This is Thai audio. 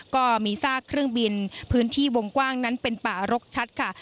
ก็มีซากเครื่องบินพื้นที่วงกว้างนั้นเป็นป่ารกชัดค่ะ